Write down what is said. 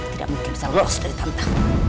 tidak mungkin bisa lolos dari tantangan